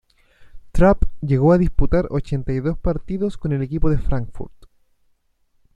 Trapp llego a disputar ochenta y dos partidos con el equipo de Frankfurt.